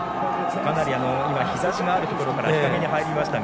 日差しがあるところから日陰に入りましたが。